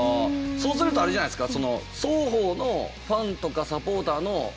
そうするとあれじゃないですか？